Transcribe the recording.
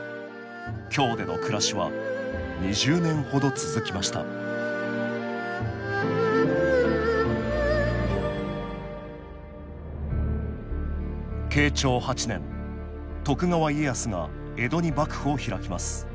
京での暮らしは２０年ほど続きました慶長８年徳川家康が江戸に幕府を開きます。